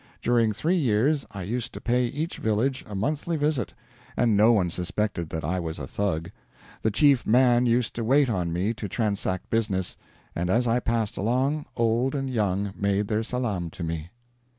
During three years I used to pay each village a monthly visit, and no one suspected that I was a Thug! The chief man used to wait on me to transact business, and as I passed along, old and young made their salaam to me."